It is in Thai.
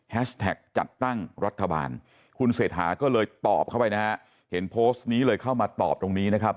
แท็กจัดตั้งรัฐบาลคุณเศรษฐาก็เลยตอบเข้าไปนะฮะเห็นโพสต์นี้เลยเข้ามาตอบตรงนี้นะครับ